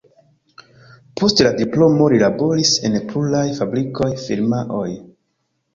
Post la diplomo li laboris en pluraj fabrikoj, firmaoj.